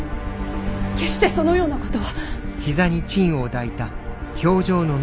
決してそのようなことは！